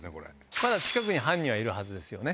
まだ近くに犯人はいるはずですよね。